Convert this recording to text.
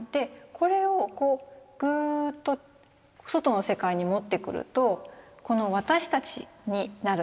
これをこうぐっと外の世界に持ってくるとこの私たちになるんですね。